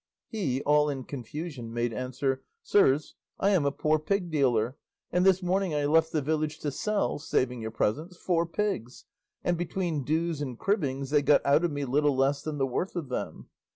He all in confusion made answer, "Sirs, I am a poor pig dealer, and this morning I left the village to sell (saving your presence) four pigs, and between dues and cribbings they got out of me little less than the worth of them.